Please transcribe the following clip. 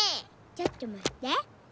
ちょっとまって。